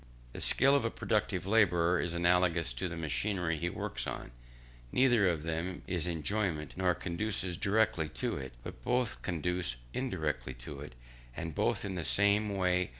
The skill of a productive labourer is analogous to the machinery he works with: neither of them is enjoyment, nor conduces directly to it, but both conduce indirectly to it, and both in the same way.